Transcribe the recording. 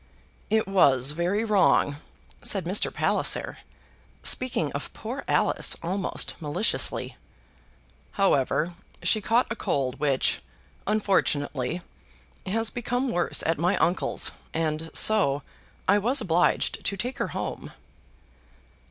"It was very wrong," said Mr. Palliser, speaking of poor Alice almost maliciously. "However, she caught a cold which, unfortunately, has become worse at my uncle's, and so I was obliged to take her home."